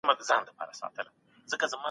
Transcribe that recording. نوموړي یو نظري میتود غوښت.